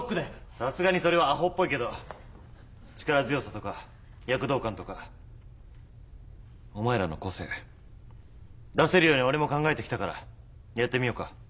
さすがにそれはアホっぽいけど力強さとか躍動感とかお前らの個性出せるように俺も考えてきたからやってみようか。